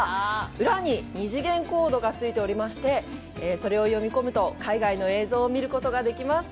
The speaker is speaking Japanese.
裏に二次元コードがついていてそれを読み込むと海外の映像を見ることができます。